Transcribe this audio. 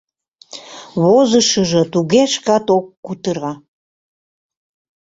Возышыжо туге шкат ок кутыро.